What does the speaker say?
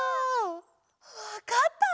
わかった！